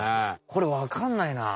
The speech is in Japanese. これわかんないな。